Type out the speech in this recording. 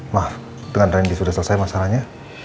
mah dengan randy sudah selesai masalahnya